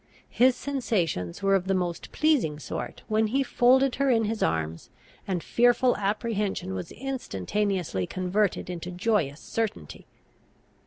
His sensations were of the most pleasing sort when he folded her in his arms, and fearful apprehension was instantaneously converted into joyous certainty.